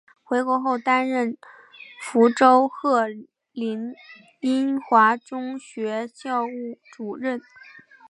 回国后担任福州鹤龄英华中学校务主任。